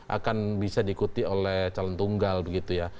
akan bisa diikuti oleh calon tunggal begitu ya